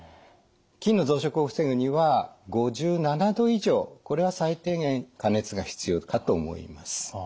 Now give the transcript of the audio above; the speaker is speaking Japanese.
菌の増殖を防ぐには５７℃以上これは最低限加熱が必要かと思います。